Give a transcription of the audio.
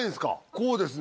こうですね